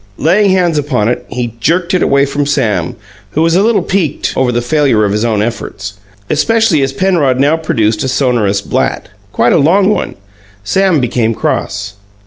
Laying hands upon it, he jerked it away from Sam, who was a little piqued over the failure of his own efforts, especially as Penrod now produced a sonarous blat quite a long one. Sam became cross.